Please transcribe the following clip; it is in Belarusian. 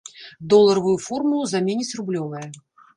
Доларавую формулу заменіць рублёвая.